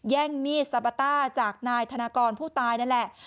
แย่งมีดสปาต้าจากนายธนากรผู้ตายนั่นแหละ